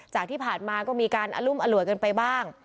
จากที่ผ่านมาก็มีการอรุมอร่วยกันไปบ้าง